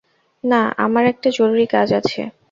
না, আমার একটা জরুরি কাজ আছে।